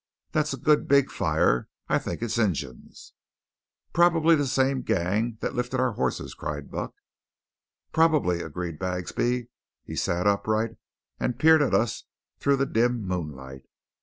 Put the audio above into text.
That's a good big fire. I think it's Injuns." "Probably the same gang that lifted our hosses!" cried Buck. "Probably," agreed Bagsby. He sat upright and peered at us through the dim moonlight.